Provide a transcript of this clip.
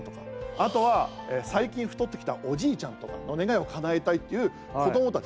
あとは最近、太ってきたおじいちゃんとかの願いをかなえたいっていう子どもたち。